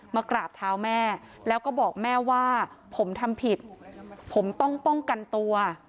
มากราบเท้าแม่แล้วก็บอกแม่ว่าผมทำผิดผมต้องป้องกันตัว